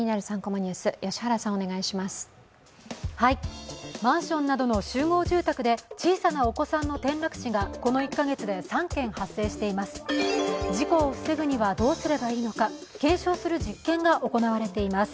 マンションなどの集合住宅で小さなお子さんの転落死がこの１カ月で３件発生しています。